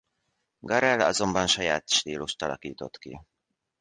Garrel azonban saját stílust alakított ki.